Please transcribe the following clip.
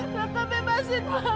raka bebasin mama nga